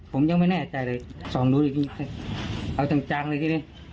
ผมยังไม่แน่ใจเลยส่องดูอีกทีเอาจังเลยทีนี้